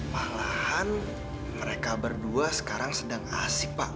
malahan mereka berdua sekarang sedang asik pak